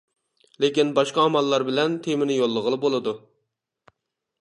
لېكىن باشقا ئاماللار بىلەن تېمىنى يوللىغىلى بولىدۇ.